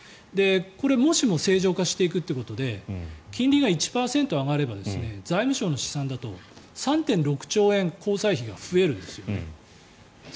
これ、もしも正常化していくということで金利が１％上がれば財務省の試算だと３．６兆円公債費が増えるんですね。